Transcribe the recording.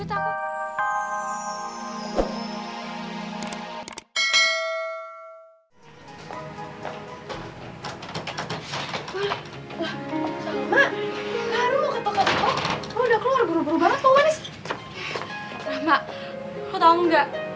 salah mak lo tau nggak